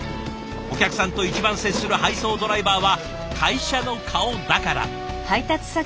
お客さんと一番接する配送ドライバーは会社の顔だから。